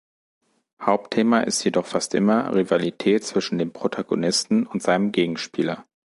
Hauptthema ist jedoch fast immer Rivalität zwischen dem Protagonisten und seinem Gegenspieler.